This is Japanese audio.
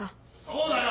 そうだよ！